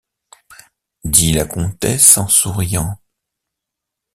dit la comtesse en souriant.